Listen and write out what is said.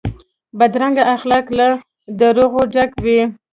بدرنګه اخلاق له دروغو ډک وي